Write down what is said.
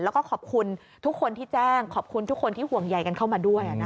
แล้วก็ขอบคุณทุกคนที่แจ้งขอบคุณทุกคนที่ห่วงใยกันเข้ามาด้วย